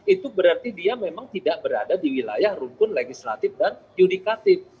itu berarti dia memang tidak berada di wilayah rumpun legislatif dan yudikatif